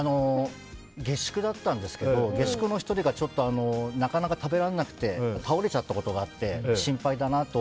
下宿だったんですけど下宿の１人がちょっとなかなか食べられなくて倒れちゃったことがあって心配だなって